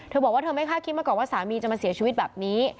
เธอบอกว่าเธอไม่คาดคิดมาก่อนว่าสามีจะมาเสียชีวิตแบบนี้